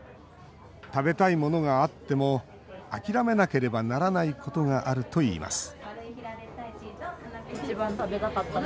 食べたいものがあっても諦めなければならないことがあるといいます